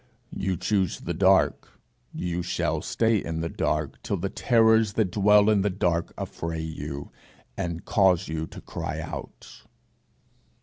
'You choose the dark; you shall stay in the dark till the terrors that dwell in the dark affray you, and cause you to cry out.'